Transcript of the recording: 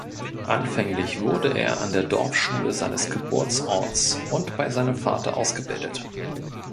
Anfänglich wurde er an der Dorfschule seines Geburtsorts und bei seinem Vater ausgebildet.